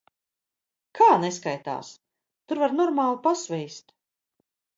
Kā neskaitās? Tur var normāli pasvīst.